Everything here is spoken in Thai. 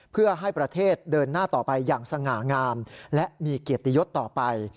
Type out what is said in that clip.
เพื่อให้ประเทศเดินหน้าต่อไปอย่างสง่างามและมีเกียรติยศต่อไป